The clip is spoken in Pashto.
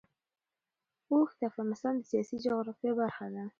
اوښ د افغانستان د سیاسي جغرافیه برخه ده.